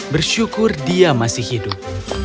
bersyukur dia masih hidup